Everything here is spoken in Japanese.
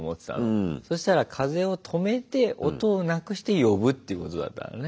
そしたら風を止めて音をなくして呼ぶってことだったのね。